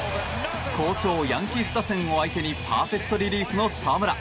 好調ヤンキース打線を相手にパーフェクトリリーフの澤村。